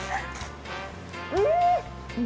うん！